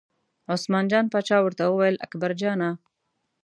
عثمان جان پاچا ورته وویل اکبرجانه!